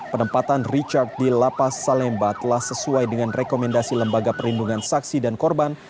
penempatan richard di lapas salemba telah sesuai dengan rekomendasi lembaga perlindungan saksi dan korban